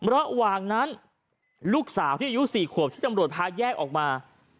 ระหว่างนั้นลูกสาวที่อายุ๔ขวบที่จำรวจพาแยกออกมา